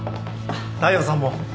大陽さんも。